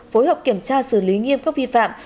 phối hợp kiểm tra xử lý nghiêm các vi phạm